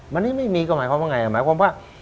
วันนี้ไม่มีก็หมายความว่าไงหมายความว่า